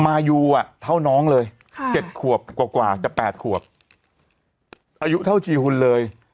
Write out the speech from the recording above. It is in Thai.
มายูอ่ะเท่าน้องเลยค่ะเจ็ดขวบกว่ากว่าจะแปดขวบอายุเท่าจีฮุนเลย